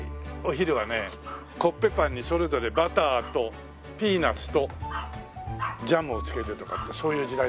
コッペパンにそれぞれバターとピーナツとジャムを付けてとかってそういう時代だった半分に切ってね。